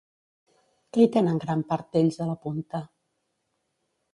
Què hi tenen gran part d'ells a la punta?